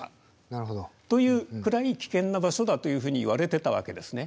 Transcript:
なるほど。というくらい危険な場所だというふうにいわれてたわけですね。